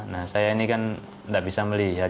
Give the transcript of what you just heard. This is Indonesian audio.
nah saya ini kan tidak bisa melihat